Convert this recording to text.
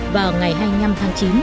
vào ngày hai mươi năm tháng chín